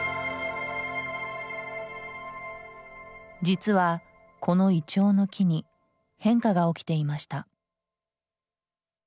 実はこのイチョウの木に変化が起きていました。